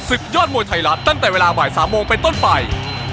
ศึกยอดมวยไทยรัฐตั้งแต่เวลาบ่าย๓โมงไปต้นไป